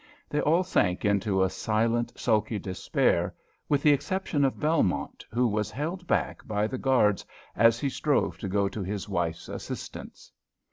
They all sank into a silent, sulky despair, with the exception of Belmont, who was held back by the guards as he strove to go to his wife's assistance.